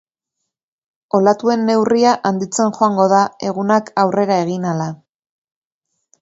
Olatuen neurria handitzen joango da, egunak aurrera egin ahala.